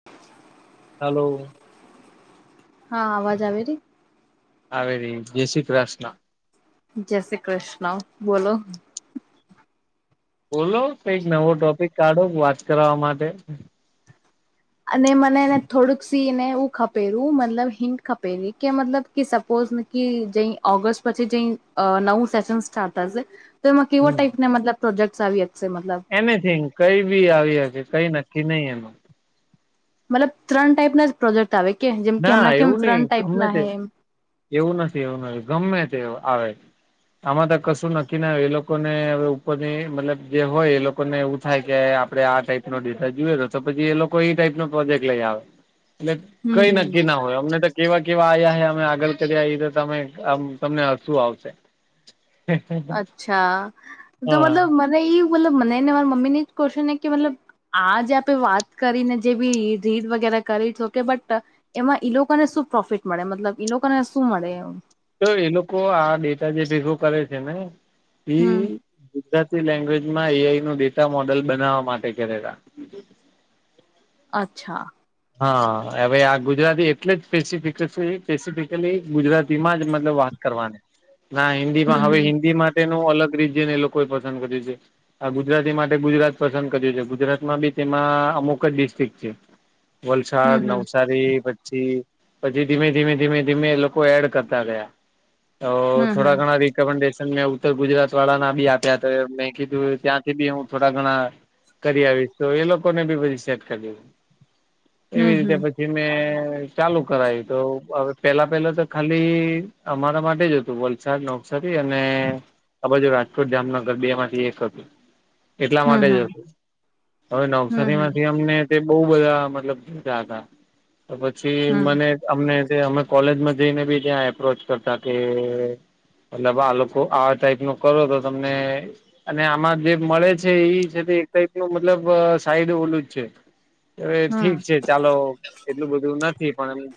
[inaudible] હાલો હા અવાજ આવે ર આવેવે જય શ કૃષ્ણ જય શ્રી કૃષ્ણ બોલો બોલો કઈક નવો ટોપિક કાઢો વાત કરવા માટે અને મને એને થોડુંક સી ને એું ખપેલું મતલબ હિંન્ટ ખપેલી કે મતલબ સપોઝ જ ઓગસ્ટ પછી જ નવું સેશન સ્ટાર્ટ થશે તો એમાં કેવા હમ ટાઈપના મતલબ પ્રોજેક્ટ્સ આવી જશે મતલબ એનીિથીિંગ કઈ બી આવી હકે કઈ નક્કી નહી એનું મતલબ ત્રણ ટાઈપ ના જ પ્રોજેક્ટ આવે કે જેમ કે ના હમં કે એવું નહી ત્રણ ટાઈપ ગમે ના તે હૈ એમ એવું નથી એવું નથી ગમે તે આવે આમાં તો કશું નક્કી ના આવ એ લોકોને હવે ઉપરની મતલબ જે હોય એ લોકોને એવું થાય કે આપણે આ ટાઈપનોો ડિસા જોુએ તો તો પછી એ લોકો એ ટાઈપનોો પ્રોજેક્ટ લઈ આવે એટલે હમ કઈ હમ નક્કી ના હોય અમને કેવા કેવા આવ્યા હ અમે આગળ કર્યા એ તો તમે આમ તમને હસવું આવશે. અચ્છા તો હા મતલબ મને એ મતલબ મનેને મા મમી ની જ કો્વ્ન એ કે મતલબ આ જે આપે વાત કરીને જે બી રીત વગેરે કરી છો કે બટ એમાં ઈ લોકોને શું પ્રોફિટ મળે મતલબ ઈ લોકોને શું મળે તો એ લોકો આ ડેટા જે ભેગો કરે છે ને એ હમ ગુજરાતી લેંગ્વેજમાં એઆઈનું ડેટા મોડલ બનાવવા માટે કરેલા. અચ્છા. હા હવે આ ગુજરાતી એટલે જ સ્પેસિફિક સ્પેસિફિકલી ગુજરાતીમાં જ મતલબ વાત કરવાની [inaudible] ના હમ હિન્દીમાં હવે હમ હિન્દી માટેનું અલગ રીતને એ લોકોએ પસંદ કરે છે. આ ગુજરાતી માટે ગુજરાત પસંદ કર્યું છે ગુજરાતમાં બી તેમાં અમુક જ ડિસ્ટ્રિક છે. વલસાડ હમ નવસારી પછી પછી ધીમે ધીમે ધીમે ધીમે લોકો એડ કરતા ગયા. તો હમ હમ થોડા ઘણા રિકમેન્ડેશન મે ઉત્તર ગુજરાત વાળાના બી આપ ત્યાં તો મેં કીધું ત્યાંથી બી હું થોડા ઘણા કરી આવીશ તો એ લોકોને બી બધી સેટ કરી. હમ એવી રીતે હમ પછી મેં ચાલુ કરાયું તો હવે પેલા પેલા તો ખાલી અમારા માટે જ હતું વલસાડનો નવસારી અને આ બાજુ રાજકોટ જામનગર બે માંથી એક હતું. એટલા હમ માટે જ હમ હશે હવે હમ હમ હમ નવસારીમાંથી અમને તે બોવ બધા મતલબ હતા તો પછી હમ મને અમને અમે કોલેજમાં જઈને બી ત્યાં એપ્રોચ કરતા કે એટલે આ લોકો આવા ટાઈપ નો કરો તો તમને અને આમાં જે મળે છે એ છે એક ટાઈપનું મતલબ સાઈડ ઓલું જ છે. હવે હમ ઠીક છે ચાલો એટલું બધું નથી પણ એ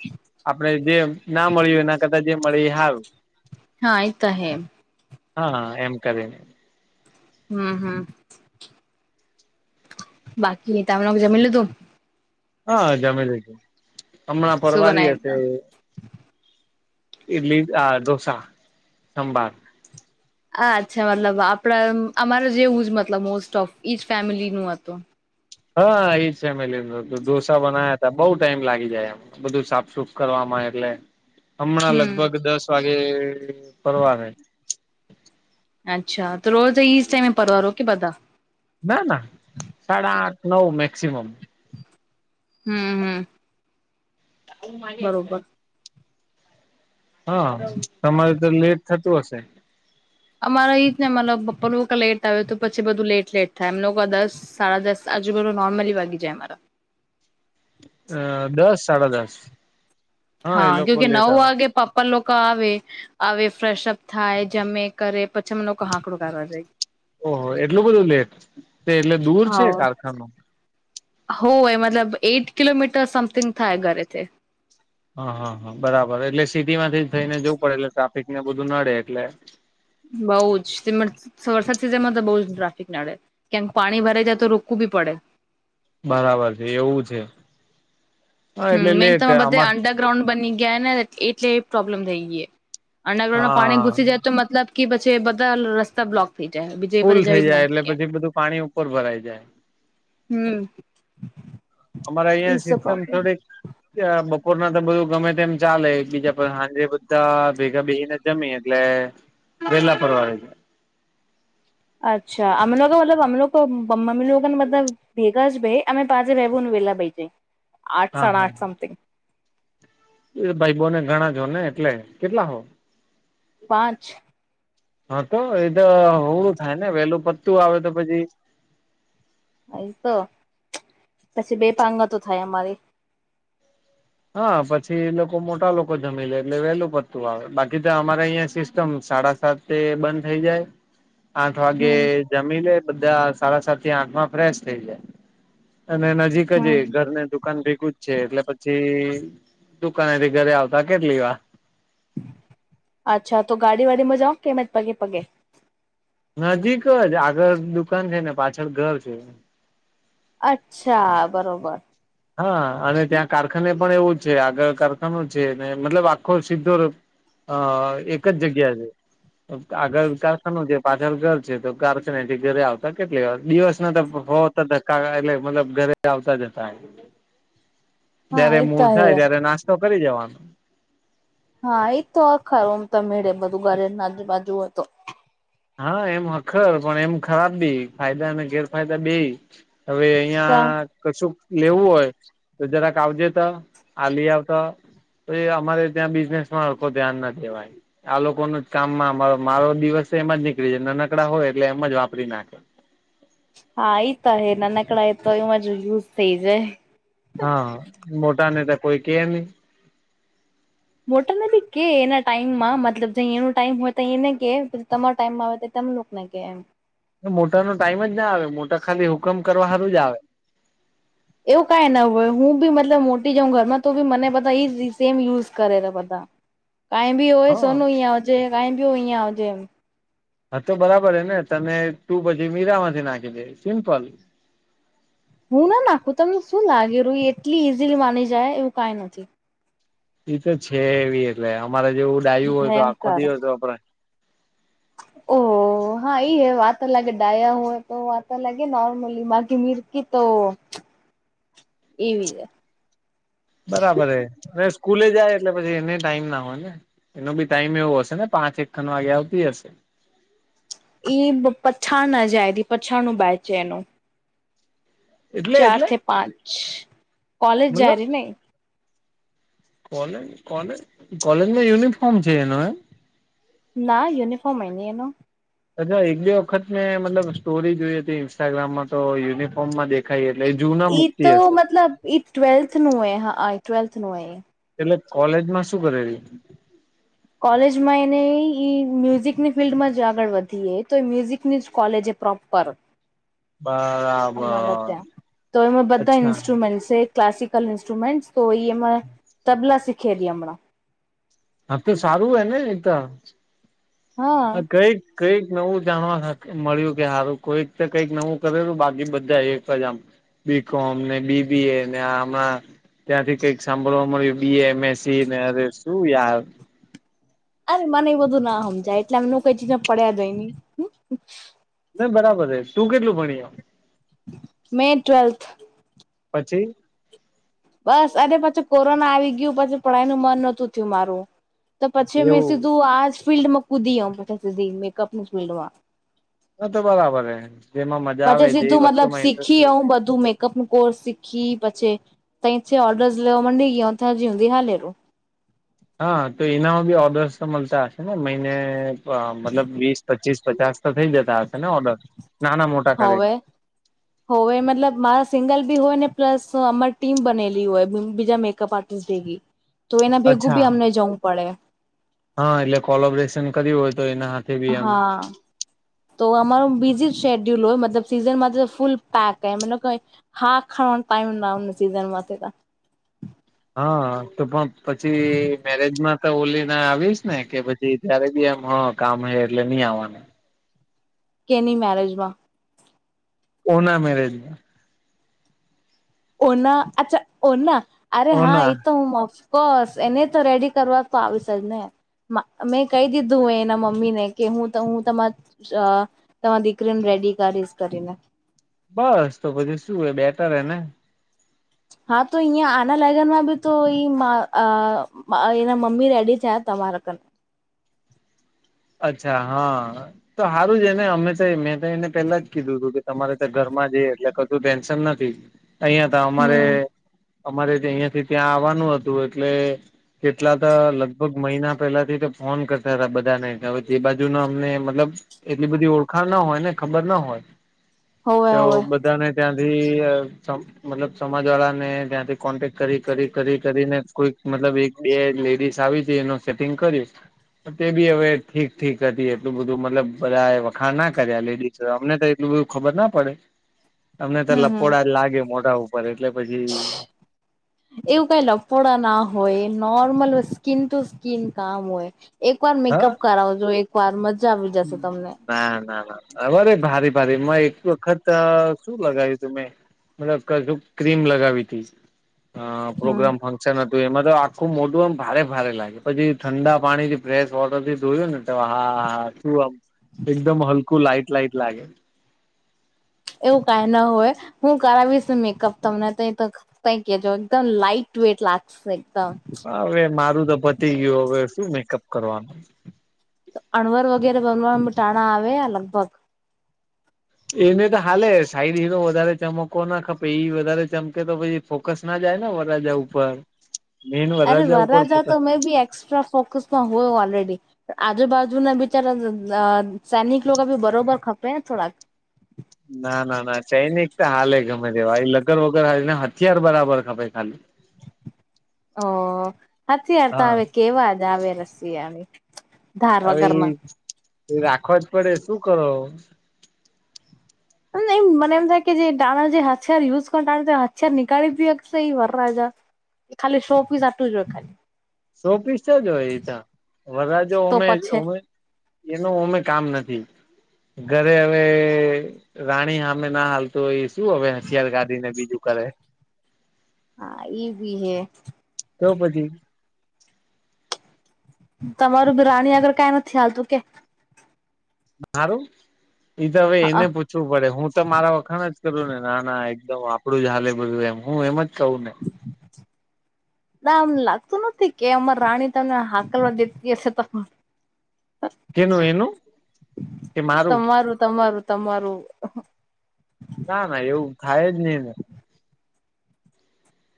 આપણે જે ના મળ્યું હોય એ ના કરતા જે મળી હાર હા એતો હે. હા એમ કરીન. હા હા. બાકી તમને જમી લીધું. હા જમી લીધું હમણાં શું પરવારી બનાય હશે તું ઈડલી આ ઢોસા સંભાર આ અચ્છા મતલબ આપડા અમારે જેવું જ મતલબ મોસ્ટ ઓફ ઈ ફેમિલીનું હતું. હા એજ છે ફેમિલીનું હતું ઢોસા બનાવ્યા હતા બોવ ટાઈમ લાગી જાય એમ બધું સાફસુફ કરવામાં એટલે હમણાં હમ લગભગ દસ વાગે પરવારે. અચ્છા રોજ એજ ટાઈમએ પરવારો કે બધા? ના ના સાડા આઠ નવ મેક્સિમમ. હમ હમ. બરોબર [inaudible] હા તમારે તો લેટ થતું હશે. અમારે એજને મતલબ પપ્પા લેટ આવે તો પછી બધું લેટ લેટ થાય એમ લોકો દસ સાડા દસ આજુ બાજુ નોર્મલી વાગી જાય અમારા. અ દસ સાડા દસ એ હા લોકો કેમકે લેટ નવ આવે વાગે મતલબ પણ લોકો આવે આવે ફ્રેશઅપ થાય જમે કરે પછી અ લોકો આાંકડું કરવા જાય. ઓહ હો એટલું બધું લેટ તે એટલે દૂર છે હા કારખાનું હોય મતલબ એઈટ કિલોમીટર સમથિંગ થાય ઘરેથી હા હા હા બરાબર એટલે સિટીમાંથી જ થઈને જવું પડે એટલે ટ્રાફિક ને બધું નડે એટલે બઉ જ વરસાદ સિઝન માં તો બઉ જ ટ્રાફિક નડે ક્યામક પાણી ભરાઈ જાય તો રોકવું બી પડે બરાબર છે એવું છે હા એટલે લેટ થાય અમાર ગ્રાઉન્ડ બની ગ્યા ને એટલે પ્રોબ્લેમ થઈ ગઈ અંડરગ્રાઉન્ડમાં પાણી હા ઘુસી જાય તો મતલબ કે પછી બધા રસ્તા બ્લોક થઈ જાય બીજું એ ફૂલ પછી જઈ થઈ જ ના જાય એટલે હકીએ. પછી બધું પાણી ઉપર ભરાઈ જાય હમ. અમારે અહિયાં સિસ્ટમ થોડીક બપોર ના તો બધું ગમે તેમ ચાલે બીજા હાંજ બધા ભેગા બેેગીને જમી એટલે પલા પરવા છે. અચ્ા અમમે લોકો મતલબ અમ લોકો અમ લોકોને મતલબ ભેગા જ ભાઈ અમે પાંજે ભે ભું વેલા ભાઈ જાય આઠ હા સાડા આઠ સમથિંગ એ ભાઈ બોને ઘણા જો ને એટલે કેટલા હો. પાંચ હા તો એ તો હોું થાય ને વેલું પત્તું આવે તો પછી. અ તો પછી બે પાંગતો થાય અમારી. હા પછી એ લોકો મોટા લોકો જમમેી લે એટલે વેલું પતું આવે બાકી તો અમારે અહંયા સિસ્ટમ સાડા સાત તે બંધ થઈ જાય હ. આ તોવા. જમી લ બધા સાડા સાત થી આંખમાં ફ્રેશ થઈ જાય અને નજીક હમ. ઘરને દુકાન ભેગું જ છે એટલે પછી. પછી દુકાનેથી ઘરે આવતા કેટલી વા અચ્છા તો ગાડી વાડીમાં જાઓ કેમે પગે પગે. નજીક જ આગળ દુકાન છે ને પાછળ ઘર છે. અચ્છા બરોબર. હા અને ત્યાં કારખાને પણ એવું છે આગળ કારખાનો છે મતલબ આખો સીધો હા એક જ જગ્યા છે. આગળ કારખાનું છે પાછળ ઘર છે તો કારખાના એથી ઘરે આવતા કેટલી દિવસ ના તો હો. ધક્કા એટલે મતલબ ઘરે આવતા જતા હા જયારે એ તો મૂળ થાય હે. ત્યારે નાસ્તો કરી જવાનો હા એજ તો આખરમ તો મેળે બધું ઘરે આજુ બાજુ હોય તો હા એમ હખર પણ એમ ખરાબ બી ફાયદા અને ગેરફાયદા બે હવે. અહં કશું લેવું હોય તો જરાક આવજે ત આ લ આવતા તો એ અમારે ત્યાં બિઝનેસ માં ધ્યાન ના દેવાય આ લોકો ન જ કામમાં મારો મારો દિવસ એમ જ નીકળી જાય નાનકડા હોય એટલે એમ જ વાપરી નાખે હા આઈતા હ નન કડા આતો ઇજ યુઝ થજ હા મોટાને તો કોઈ કે નહી. મોટર નથી કે એના ટાઈમમાં મતલબ જ એનું ટાઈમ હોય તો એને કે તમારા ટાઈમમાં આવે તો ત ગમ. મોટા નો ટાઈમ જ ના આવે મોટા ખાલી હુકમ કરવા હારું જ આવે એવું કઈ ન હોય હું બી મતલબ મોટી જાઉં ઘરમાં તો બી મને બધા ઈ સેમ યુઝ કરેલા બધા કઈ ભી હોય હ હા સોન હોજે કાઈ ભી ઉહીજે હા તો બરાબર હ ને તને તું પછી મીરામાંથી નાખી દે સિમ્પલ હું ના નાખું તમને શું લાગેું એટલી ઈઝીલી માની જાય એવું કઈ નથી ઈ તો છે એવી એટલે અમારે જેવું ડાયું હોય તો આખો ભયંકર દિવસ આપ ઓ. હા એ હ વાતા અલગ ડાયા હય તો વાતા અલગે નોર્મલી બાકી મીરકીી તો એવીજ બરાબર સ્કૂલે જાય એટલે પછી એને ટાઈમ ના હોય ને એનો બી ટાઈમ એવો હશે ને પાંચ એક કન વાગે આવતી હશે. ઈ પઠાન ના જાય તી પઠાનું બાઈચેનું. એટલે ચાર એટલે થી પાંચ, કોલેજ જારી મતલબ ને કોલેજ કોલેજ કોલેજમાં યુનિફોર્મ છે એનું એમ ના યુનિફોર્મ હ નહી એનું. અચ્છા એક બે વખત મે મતલબ સ્ટોરી જોઈ હતી ઇન્સ્ટાગ્રામ માં તોયુનિફોર્મ માં દે ખાઈ એટલે એ જૂના મુૂતી હશે એ ટ્વલ્થ નું એ હા આ ટવલ્થું એ એ એટલે કોલેજમાં શું કરેલી? કોલેજમાં એને ઈ-ઈ મ્યુઝિકની ફિલ્ડમાં જ આગળ વધી એ, તો એ મ્યુઝિકની જ કોલેજ એ પ્રોપર. બરાબર અમારા ત્યાં, તો એમાં બધા અચ્છા ઇન્સ્ટ્રુમેન્ટ્સે ક્લાસિકલ ઇન્સ્ટ્રુમેન્ટસ, તો ઈ એમાં તબલા શીખેલી હમણાં. હા તો સારું હે ને ઈ તો. હા [unintelligible] કઈક નવું જાણવા થા મળ્યું કે હારું કોઈક તો કંઈક નવું કરેલું, બાકી બધા એક જ આમ બી કોમ, ને બી બી એ, ને આ હમણા ત્યાંથી કંઈક સાંભળવા મલ્યું બી એમ એસ સી ને, અરે શું યાર. અરે મને એ બધું ના હમજાય, એટલે એમનું [unintelligible] [inaudible] ને બરાબર હે. તું કેટલું ભણી હે? મે ટ્વેલ્થ. પછી? બસ, અરે પછી કોરોના આવી ગયું પછી પઢાઈ નું મન નોતું થયું મારું. તો પછી મેં એવું સીધું આ જ ફિલ્ડમાં કુદી અમે તો સીધી મેકઅપનું જોઈ લવા. આ તો બરાબર હે. પછી સીધું મતલબ શીખી હું બધું મેક અપનું કોર્સ શીખી, પછી તયચ ઓર્ડર્સ લેવા મંડી [unintelligible] હા. તો એનામાં બી ઓર્ડર્સ તો મલતા હશે ને, મહિને મતલબ અહ વીસ, પચીસ, પચાસ તો થઈ જતા હશે ને ઓર્ડર? નાના મોટ હોવે. હોવે મતલબ મારા સિંગલ બી હોય ને, પ્લસ અમારી ટીમ બનેલી હોય, બીજા મેકઅપ આર્ટ ટિસ ભેગી, તો એના ભેગું અચ્છા બી અમને જવું પડે. હા એટલે કોલોબરેશન કર્યું હોય તો એના હાથ હા. તો અમારું બિજી શેડ્યુલ હોય મતલબ સીઝનમાં તો ફૂલ પેક, એમ નો કેવાય હાખ ખાવાનો ટાઈમ ના સીઝનમાં [unintelligible] હા. તો પણ પછી મેરેજમાં તો ઓલી ના આવીશ ને કે પછ છી ત્યારે બી એમ હ કામ હે એટલે નઈ આવવાનું. કેની મેરેજ માં? ઓના મેરેજમાં. ઓના, અચ્છા ઓના. અરે હા ઓના ઈ તો હું [unintelligible] કોર્સ, એને તો રેડી કરવા તો આવશે જ ને. માં મેં કહી દીધું એના મમ્મી ને કે હું ત હું તમાર અહ તમાર દીકરીને રેડી કરીશ કરીને. બસ તો પછી શું હે, બેટર હે ને. હા તો અહિયાં આના લાગનમાં બી તો ઈ મા અહ એના મમી રેડી છે તમાર કર અચ્છા, હા. તો હારું જ હે ને, અમે તો મેં તો એને પેલા જ કીધું તું કે તમારે તો ઘરમાં જે એટલે કશું ટેન્શન નથી. અહિયાં તો હમ અમારે-અમારે અહિયાં થી ત્યાં આવવાનું હતું એટલે કેટલા તો લગભગ મહિના પેલા થી તે ફોન કરતા હતા બધા ને હવે જે બાજુ ના અમને મતલબ એટલી બધી ઓળખા ના હોય ને ખબર ન હોય હોવે તો હોવે બધાને ત્યાંથી અહ સમ મતલબ સમાજ વાળા ને ત્યાંથી કોન્ટેક કરી-કરી-કરી-કરીને કોઈક મતલબ એક બે લેડીસ આવી છે, એનો સેટિંગ કર્યું, તો તે બી હવે ઠીક-ઠીક હતી, એટલું બધું મતલબ બધા એ વખાણ ના કર્યા લેડીઝ, અમને તો એટલું બધું ખબર ન પડે. [inaudible] અમને તો હમ લપોડા જ લાગે મોઢા ઉપર એટલે પછી એવું કઈ લફોડા ના હોય નોર્મલ હો સ્કીિન ટુ સ્કીિન કામ હોય એક વાર હા મેકઅપ કરાવજો એક વાર મજા આવી જશે તમને ના ના ના અરે ભારી ભારી એક વખત શું લગાયું તુંમે મતલબ કશું ક ક્રીમ લગાવી તી અ હમ પ્રોગ્રામમાં છ નતું એમાં તો આખું મોટું આમ ભારે ભારે લાગે પછી ઠંડા પાણી થી ફ્રેશ વોટર થી ધોયું ને એકદમ હા હા તું એકદમ હલકું લાાઈટ લઈટ લાગે એવું કાય ના હોય હું કરાવીશ મેકઅપ તમને તો કઈ કેજો એકદમ લાઈટ વેટ લાગશે એકદમ હવે મારું તો પતી ગયું હવે શું મેકઅપ કરવાનું અણવર વગેરે બનવા ટાણા આવે લગભગ એને તો હાલે સાઈડ એનો વધારે ચમકો ના ખપે ઈ વધારે ચમકે તો પછી ફોકસ ના જાય ને વરાજા ઉપર મેન અરે વરરાજા ઉપર વરાજા ફોકસ તો મેં બી એસ્ટ્રા ફોકસમાં હોય ઓલરેડી આજુ બાાજુના બીચારા અ સૈનિક લોકો બી બરોબર ખપે ને થોડાક ના ના ના ચૈનિક હાલ એ ગમે તેવા લગન વગર હ ને હથિયાર બરાબર ખપે ખાલી [inaudible] હ હથિયાર તો હા હવે કેવા જ આવે હથિયાર અવે ઈ રાખવા જ પડે શું કરો એમ મને એમ થાય કે જે ટાણા જે હાથિયાર યુઝ [unintelligible] હથીયાર [unintelligible] એ વરરાજા ખાલી શો પીઝ આટલુ જ હોય ખાલી સો પીસ જ હોય એતો વરરાજો તો ઓમે પછી એનું અમે કામ નથી ઘરે હવે રાણી હામે ના હાલતું એ શું હવે હથિયાર કાઢી ને બીજું કરે હા એ બી છે. તો પછી તમારું તો રાણી આગર કાઈ નથી હાલતું કે મારું એઈ તો હવે હા એને પૂછ વુ પડે હું તો મારા વખાણ જ કરું ને ના ના એકદમ આપડું જ હાલે બધું એમ હું એમ જ કહું ને ના આમ લાગતું નથી કે અમાર રાણી તમને હાકલવા દેતી હશે તો કેનું એનું કે મારું તમારું તમારું તમારું ના ના એવું થાય જ નહી ને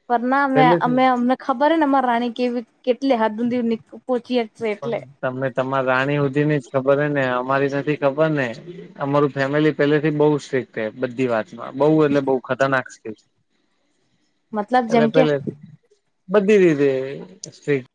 પર ના અમે પેલેથી અમે અમને ખબર હોય ને અમારા રાણી કેવી કેટલી હાથ હુંધી પહોંચી હશે પણ એટલે તમને તમાર રાણી હુંધી ની જ ખબર હ ને અમારી નથી ખબર ને અમારું ફેમિલી પેલે થી બહુ સ્ટ્રીિક્ટ રે બધી વાતમાં બઉ એટલે બઉ ખતરનાક સ્ટ્રીક મતલબ એટલે જેમ કે પેલે બધી રીતે સ્ટ્રીક